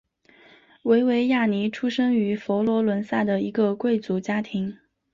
维维亚尼出生于佛罗伦萨的一个贵族家庭。